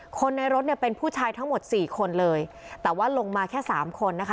คนในรถเนี่ยเป็นผู้ชายทั้งหมดสี่คนเลยแต่ว่าลงมาแค่สามคนนะคะ